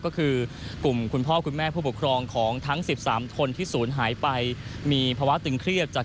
ก็คือกลุ่มคุณพ่อคุณแม่ผู้ปกครองของทั้ง๑๓คนที่ศูนย์หายไปมีภาวะตึงเครียดจาก